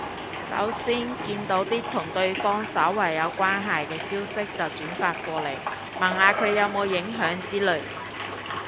首先見到啲同對方稍為有關係嘅消息就轉發過嚟，問下佢有冇影響之類